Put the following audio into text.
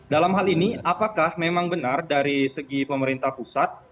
dalam hal ini apakah memang benar dari segi pemerintah pusat